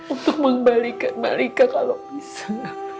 untuk membalikan malkika kalau bisa